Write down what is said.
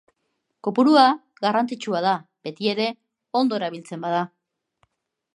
Kopuru garrantzitsua da, betiere, ondo erabiltzen bada.